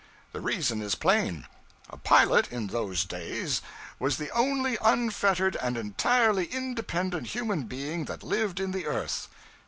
The reason is plain: a pilot, in those days, was the only unfettered and entirely independent human being that lived in the earth.